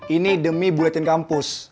ini demi buletin kampus